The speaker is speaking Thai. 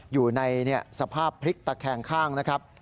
อยู่ในสภาพพลิกตะแคงข้างนะครับ